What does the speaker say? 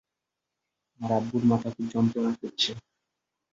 আর আব্বুর মাথা খুব যন্ত্রণা করছে।